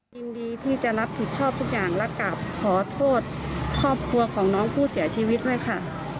ยินดีที่จะรับผิดชอบทุกอย่างและกลับขอโทษครอบครัวของน้องผู้เสียชีวิตด้วยค่ะ